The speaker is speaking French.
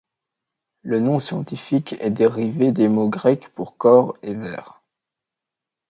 Le nom scientifique est dérivé des mots grecs pour corps et vert.